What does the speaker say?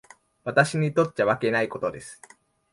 私にとっちゃわけないことです。